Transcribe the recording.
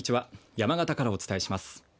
山形からお伝えします。